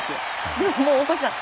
でも、大越さん